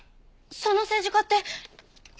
その政治家って！